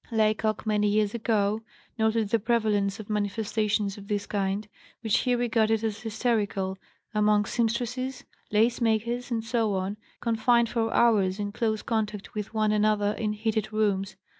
Laycock, many years ago, noted the prevalence of manifestations of this kind, which he regarded as hysterical, among seamstresses, lace makers, etc., confined for hours in close contact with one another in heated rooms.